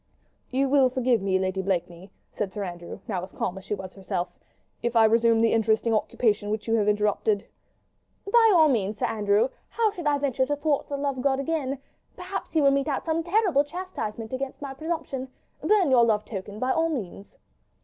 "You will forgive me, Lady Blakeney," said Sir Andrew, now as calm as she was herself, "if I resume the interesting occupation which you had interrupted?" "By all means, Sir Andrew! How should I venture to thwart the love god again? Perhaps he would mete out some terrible chastisement against my presumption. Burn your love token, by all means!"